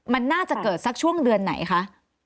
มันน่าจะเกิดสักช่วงเดือนไหนคะ